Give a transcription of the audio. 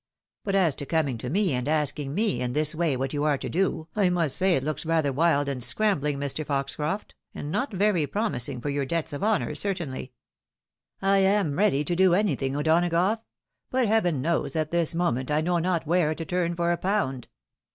But as to coming to me, and asking me, in A MISCAERIAGE. 265 this way, what you are to do, I must say it looks rather wild and scrambling, Mr. Foxcrofl, and not very promising for your debts of honour, certainly." " I am ready to do anything, O'Donagough ! But Heaven knows at this moment I know not where to turn for a pound."